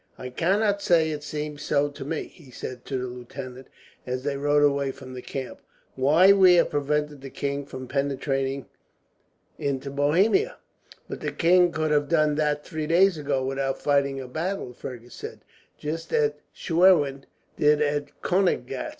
"I cannot say it seemed so to me," he said to the lieutenant, as they rode away from the camp. "Why, we have prevented the king from penetrating into Bohemia." "But the king could have done that three days ago, without fighting a battle," Fergus said; "just as Schwerin did at Koeniggraetz.